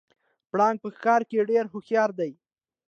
پړانګ په ښکار کې ډیر هوښیار دی